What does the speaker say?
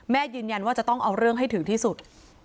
ยืนยันว่าจะต้องเอาเรื่องให้ถึงที่สุด